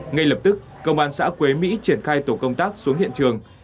ngay lập tức công an xã quế mỹ triển khai tổ công tác xuống hiện trường